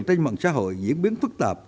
trên mạng xã hội diễn biến phức tạp